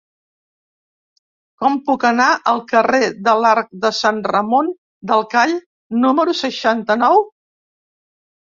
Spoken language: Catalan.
Com puc anar al carrer de l'Arc de Sant Ramon del Call número seixanta-nou?